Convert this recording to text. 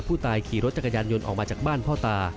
ผู้ตายขี่รถจักรยานยนต์ออกมาจากบ้านพ่อตา